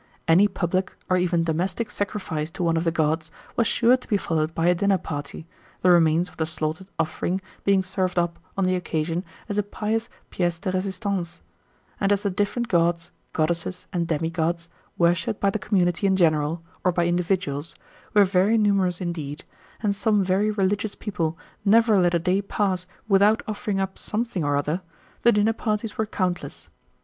Any public or even domestic sacrifice to one of the gods, was sure to be followed by a dinner party, the remains of the slaughtered "offering" being served up on the occasion as a pious pièce de résistance; and as the different gods, goddesses, and demigods, worshipped by the community in general, or by individuals, were very numerous indeed, and some very religious people never let a day pass without offering up something or other, the dinner parties were countless.